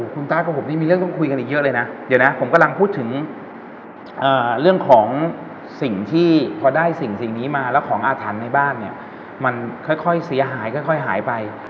คุณตากับผมนี่มีเรื่องต้องคุยกันอีกเยอะเลยนะเดี๋ยวนะผมกำลังพูดถึงเรื่องของสิ่งที่พอได้สิ่งนี้มาแล้วของอาถรรพ์ในบ้านเนี่ยมันค่อยเสียหายค่อยหายไป